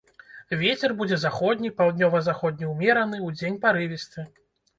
Вецер будзе заходні, паўднёва-заходні ўмераны, удзень парывісты.